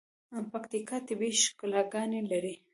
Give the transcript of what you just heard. پکیتکا طبیعی ښکلاګاني لري.